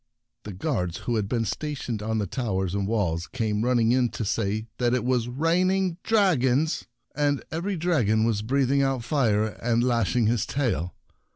The guards who had been stationed on the towers and walls came running in to say that it was " raining dragons," and every dragon was breath ing out fire and lashing his tail.